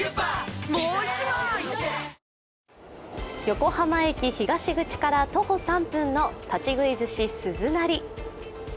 横浜駅東口から徒歩３分の立ち喰い鮨鈴な凛。